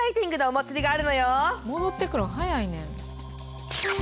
戻ってくるの早いねん。